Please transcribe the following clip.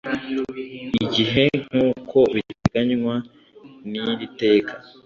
igihe nk uko biteganywa n iri teka